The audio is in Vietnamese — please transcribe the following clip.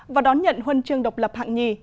và đón nhận huân chương độc lập hạng nhì